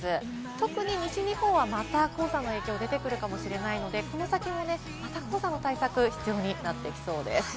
特に西日本はまた黄砂の影響が出てくるかもしれないので、この先もまた黄砂の対策が必要になっていきそうです。